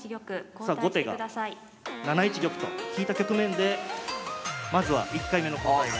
さあ後手が７一玉と引いた局面でまずは１回目の交代が。